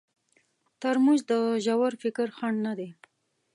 ترموز د ژور فکر خنډ نه دی.